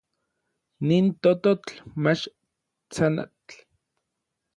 Nin tototl mach tsanatl.